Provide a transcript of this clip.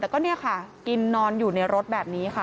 แต่ก็เนี่ยค่ะกินนอนอยู่ในรถแบบนี้ค่ะ